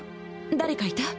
誰かいた？